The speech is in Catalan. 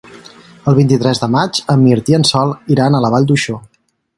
El vint-i-tres de maig en Mirt i en Sol iran a la Vall d'Uixó.